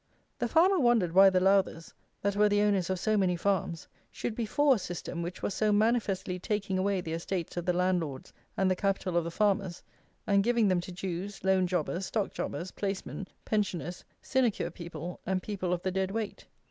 The farmer wondered why the Lowthers, that were the owners of so many farms, should be for a system which was so manifestly taking away the estates of the landlords and the capital of the farmers, and giving them to Jews, loan jobbers, stock jobbers, placemen, pensioners, sinecure people, and people of the "dead weight."